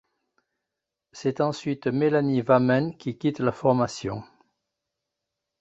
C'est ensuite Melanie Vammen qui quitte la formation.